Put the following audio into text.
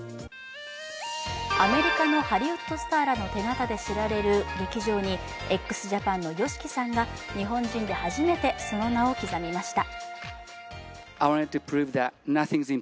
アメリカのハリウッドスターの手形で知られる劇場に、ＸＪＡＰＡＮのＹＯＳＨＩＫＩさんが日本人で初めて、その名を刻みました。